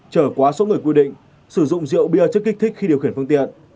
trở quá số người quy định sử dụng rượu bia chất kích thích khi điều khiển phương tiện